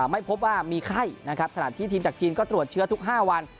ไม่พบว่ามีไข้นะครับขณะที่ทีมจากจีนก็ตรวจเชื้อทุก๕วัน